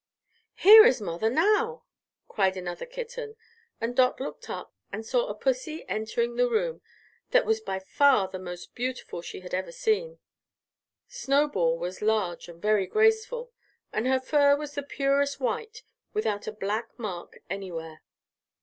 "Here is mother, now!" cried another kitten, and Dot looked up and saw a pussy entering the room that was by far the most beautiful she had ever seen. Snowball was large and very graceful, and her fur was the purest white, without a black mark anywhere.